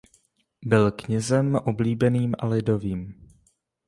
Byl knězem oblíbeným a lidovým.